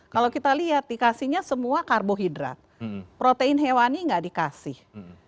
kalau kita lihat dikasihnya semua karbohidrat protein hewani nggak dikasih